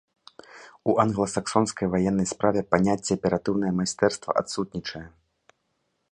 У англасаксонскай ваеннай справе паняцце аператыўнае майстэрства адсутнічае.